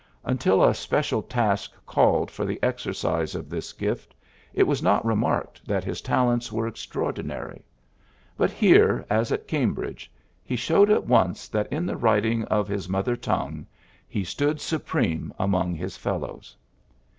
Until a special task called for the exercise of this gift, it was not remarked that his talents were extraordinary ; but here, as at Cambridge, he showed at once that in the writing of his mother tongue he 18 PHILLIPS BROOKS stood supreme among his fellows.